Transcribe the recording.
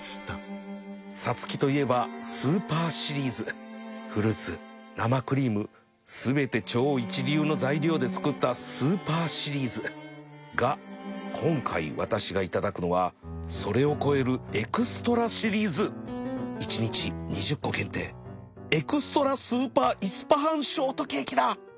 ＳＡＴＳＵＫＩ といえばスーパーシリーズフルーツ生クリーム全て超一流の材料で作ったスーパーシリーズが今回私が頂くのはそれを超えるエクストラシリーズ一日２０個限定エクストラスーパーイスパハンショートケーキだ！